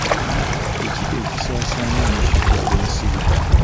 Kiki ekisaasaanya omusujja gw'ensiri?